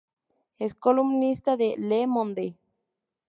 Es columnista de Le Monde.